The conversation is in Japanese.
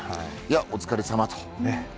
お疲れさまと。